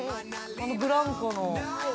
あのブランコの◆